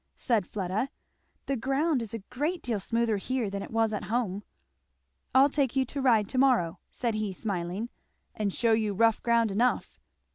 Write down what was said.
said Fleda. "The ground is a great deal smoother here than it was at home." "I'll take you to ride to morrow," said he smiling, "and shew you rough ground enough."